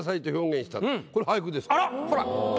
ほら。